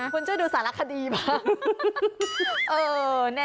คุณจะดูสารคดีป่ะ